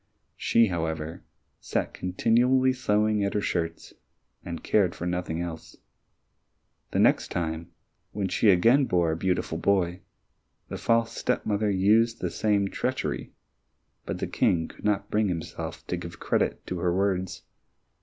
She, however, sat continually sewing at the shirts, and cared for nothing else. The next time, when she again bore a beautiful boy, the false step mother used the same treachery, but the King could not bring himself to give credit to her words.